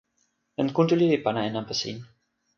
jan Kuntuli li pana e nanpa sin.